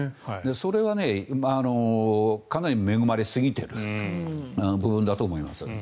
それはかなり恵まれすぎている部分だと思います。